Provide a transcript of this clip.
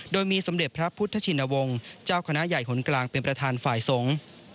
โดยมีสมเด็จพระพุทธชินวงศ์เจ้าคณะใหญ่หนกลางเป็นประธานฝ่ายสงฆ์